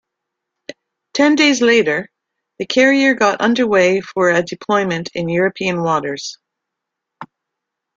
Ten days later, the carrier got underway for a deployment in European waters.